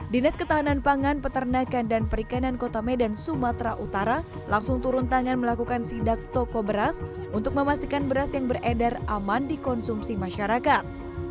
dinas ketahanan pangan peternakan dan perikanan kota medan sumatera utara langsung turun tangan melakukan sidak toko beras untuk memastikan beras yang beredar aman dikonsumsi masyarakat